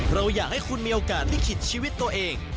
เราอยากให้คุณมีโอกาสลิขิตชีวิตตัวเอง